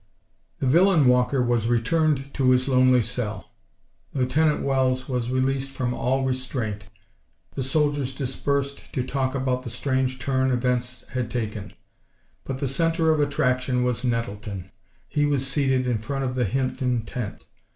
_ THE villain Walker was returned to his lonely cell. Lieutenant Wells was released from all restraint. The soldiers dispersed to talk about the strange turn events had taken, but the center of attraction was Nettleton. He was seated in front of the Hinton tent.